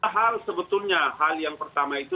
hal sebetulnya hal yang pertama itu